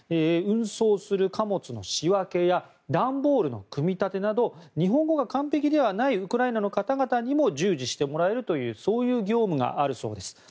運送する貨物の仕分けや段ボールの組み立てなど日本語が完璧ではないウクライナの方々にも従事してもらえるというそういう業務があるそうです。